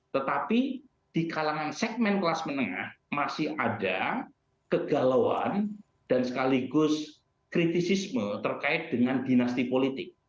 tetapi di kalangan segmen kelas menengah masih ada kegalauan dan sekaligus kritisisme terkait dengan dinasti politik